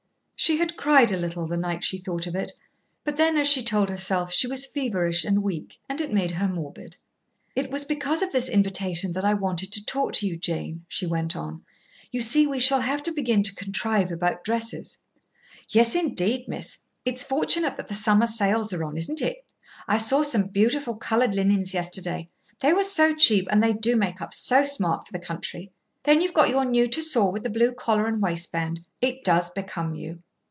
She had cried a little the night she thought of it, but then, as she told herself, she was feverish and weak, and it made her morbid. "It was because of this invitation that I wanted to talk to you, Jane," she went on. "You see, we shall have to begin to contrive about dresses." "Yes, indeed, miss. It's fortunate that the summer sales are on, isn't it? I saw some beautiful colored linens yesterday. They were so cheap, and they do make up so smart for the country. Then you've got your new Tussore with the blue collar and waistband. It does become you."